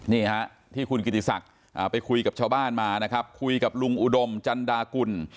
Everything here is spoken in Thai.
นี่ฮะที่คุณกิติศักดิ์ไปคุยกับชาวบ้านมานะครับคุยกับลุงอุดมจันดากุล